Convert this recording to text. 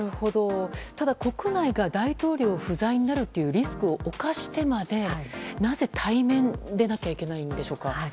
ただ、国内が大統領不在になるというリスクを冒してまでなぜ対面でなければいけないんでしょうか。